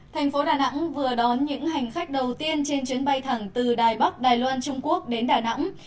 thành phố đà nẵng vừa đón những hành khách đầu tiên trên chuyến bay thẳng từ đài bắc đài loan trung quốc đến đà nẵng